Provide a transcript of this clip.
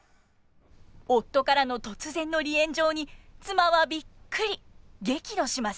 夫からの突然の離縁状に妻はビックリ！激怒します。